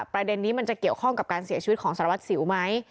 ประเด็นนี้มันจะเกี่ยวข้องกับการเสียชีวิตของสารวัตรสิวไหม